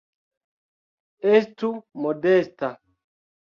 Estu modesta.